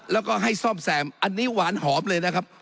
แล้วก็ให้ซ่อมแซมอันนี้หวานหอมเลยนะครับ